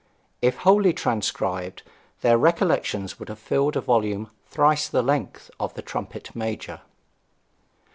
If wholly transcribed their recollections would have filled a volume thrice the length of 'The Trumpet Major.'